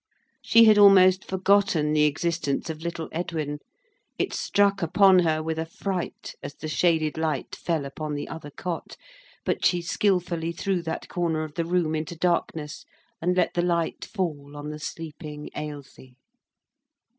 She had almost forgotten the existence of little Edwin. It struck upon her with affright as the shaded light fell upon the other cot; but she skilfully threw that corner of the room into darkness, and let the light fall on the sleeping Ailsie.